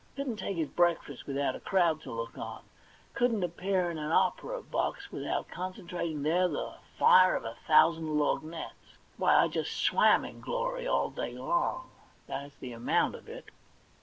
couldn't take his breakfast without a crowd to look on ; couldn't ap pear in an opera box without concentrating there the fire of a thousand lorgnettes. Why, I just swam in glory all day long— that is the amount of it.